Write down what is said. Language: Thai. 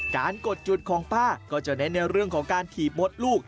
กดจุดของป้าก็จะเน้นในเรื่องของการถีบมดลูก